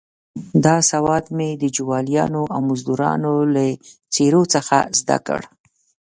دا سواد مې د جوالیانو او مزدروانو له څېرو څخه زده کړ.